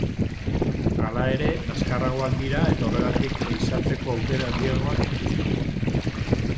Hala ere azkarragoak dira eta horregatik ehizatzeko aukera handiagoak dituzte.